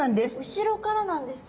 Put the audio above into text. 後ろからなんですか。